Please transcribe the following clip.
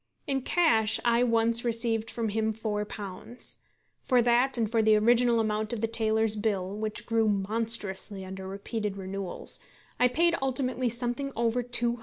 In cash I once received from him £4. For that and for the original amount of the tailor's bill, which grew monstrously under repeated renewals, I paid ultimately something over £200.